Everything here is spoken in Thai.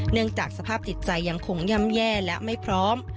เนื่องจากสภาพติดใจยังขงยำแย่และไม่พร้อม